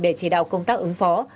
để chỉ đạo công tác ứng phó